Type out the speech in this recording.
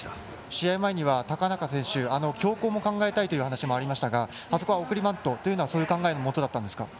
試合前には高中選手強攻も考えたいという話もありましたがあそこは送りバントというのはそういう考えもあってだったんですか。